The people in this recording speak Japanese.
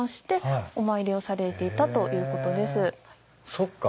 そっか。